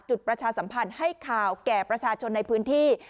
ประชาสัมพันธ์ให้ข่าวแก่ประชาชนในพื้นที่